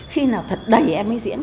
khi nào thật đầy em mới diễn